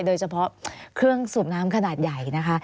โดยเฉพาะเครื่องสูบน้ำขนาดใหญ่นะคะ